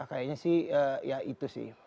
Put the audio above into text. kayaknya sih ya itu sih